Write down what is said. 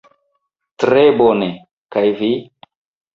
Tre bone; kaj vi?